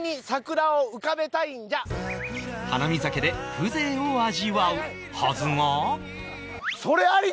花見酒で風情を味わうはずが